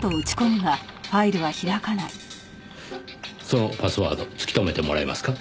そのパスワード突き止めてもらえますか？